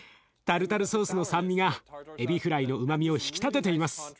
タルタルソースの酸味がえびフライのうまみを引き立てています。